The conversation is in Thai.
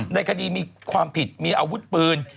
ในคดีมีความผิดมีอาวุธปืน